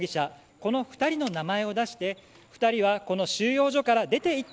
この２人の名前を出して２人はこの収容所から出て行った。